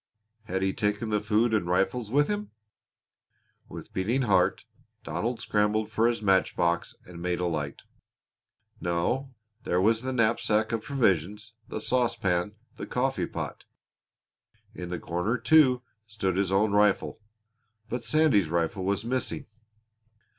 Had he taken the food and rifles with him? With beating heart Donald scrambled for his match box and made a light. No, there was the knapsack of provisions, the saucepan, the coffee pot! In the corner, too, stood his own rifle. But Sandy's rifle was missing.